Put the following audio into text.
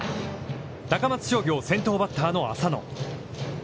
高松商業、先頭バッターの浅野。